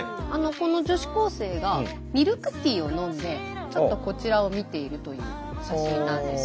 この女子高生がミルクティーを飲んでちょっとこちらを見ているという写真なんですよね。